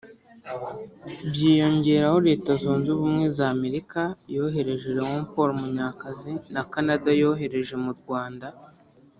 Byiyongeraho Leta Zunze Ubumwe za Amerika yohereje Léopold Munyakazi na Canada yohereje mu Rwanda